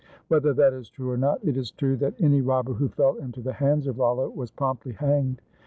Whether that is true or not, it is true that any robber who fell into the hands of Rollo was promptly hanged.